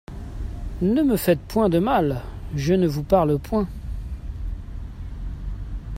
Ne me faites point de mal : je ne vous parle point.